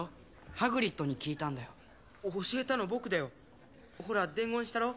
ハグリッドに聞いたんだよ教えたの僕だよほら伝言したろ？